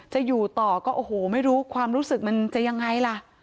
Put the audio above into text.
จะอยู่ต่อก็โอ้โหไม่รู้ความรู้สึกมันจะยังไงล่ะ